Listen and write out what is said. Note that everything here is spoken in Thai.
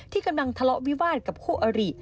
กำลังทะเลาะวิวาสกับคู่อริ